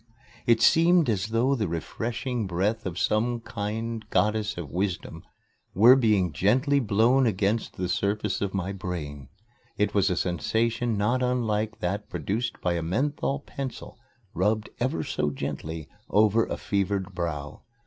It seemed as though the refreshing breath of some kind Goddess of Wisdom were being gently blown against the surface of my brain. It was a sensation not unlike that produced by a menthol pencil rubbed ever so gently over a fevered brow.